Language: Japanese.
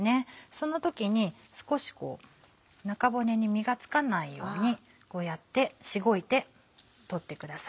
その時に少しこう中骨に身がつかないようにこうやってしごいて取ってください。